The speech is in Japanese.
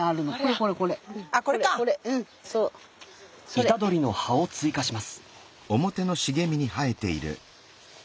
イタドリの葉を追加します。